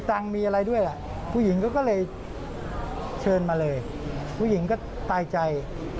อ่านี่ไง